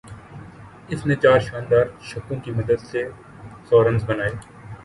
اس نے چار شاندار چھکوں کی مدد سے سو رنز بنائے